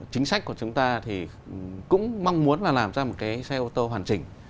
chính sách của chúng ta thì cũng mong muốn là làm ra một cái xe ô tô hoàn chỉnh